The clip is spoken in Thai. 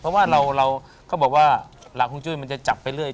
เพราะว่าเราก็บอกว่าหลังฮวงจุ้ยมันจะจับไปเรื่อย